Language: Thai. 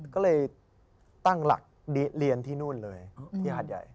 ก็เลยตั้งหลักเรียนที่นู่นเลยที่หาดใหญ่